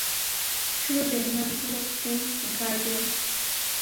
শুরুতে এর নাম ছিল প্রিন্স গার্ডিয়ান।